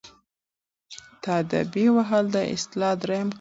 تاديبي وهل د اصلاح دریم ګام دی.